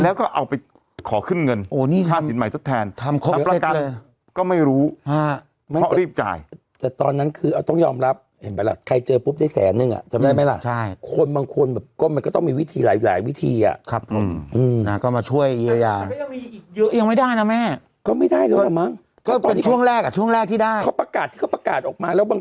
แล้วก็เอาไปขอขึ้นเงินโอ้นี่ค่ะภาษีสินใหม่ซะแทนทำครบ